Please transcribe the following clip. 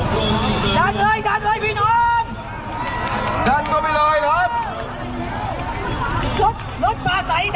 เกือบนได้เลย